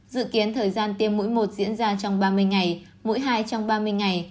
dự kiến thời gian tiêm mũi một diễn ra trong ba mươi ngày mỗi hai trong ba mươi ngày